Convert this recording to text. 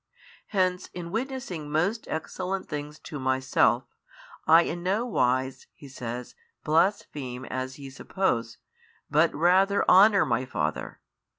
Hence in witnessing most excellent things to Myself, I in no wise (He says) |664 blaspheme as ye suppose, but rather honour My Father.